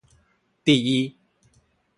第一